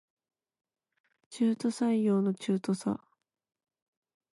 中途採用の途中さ